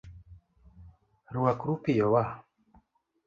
Rwakru piyo wa